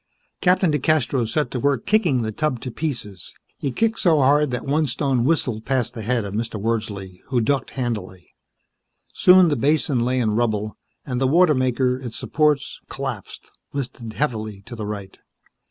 Captain DeCastros set to work kicking the tub to pieces. He kicked so hard that one stone whistled past the head of Mr. Wordsley, who ducked handily. Soon the basin lay in rubble, and the water maker, its supports collapsed, listed heavily to the right.